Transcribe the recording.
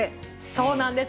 そうなんです。